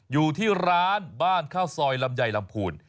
อยู่ที่ร้านบ้านข้าวซอยลำไยลำพูน